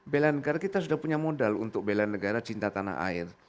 bela negara kita sudah punya modal untuk bela negara cinta tanah air